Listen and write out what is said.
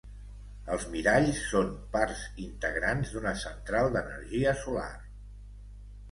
Els miralls són parts integrants d'una central d'energia solar.